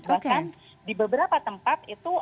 bahkan di beberapa tempat itu